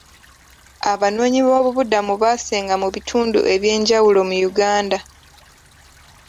Abanoonyiboobubudamu baasenga mu bitundu ebyenjawulo mu Uganda.